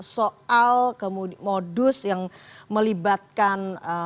soal modus yang melibatkan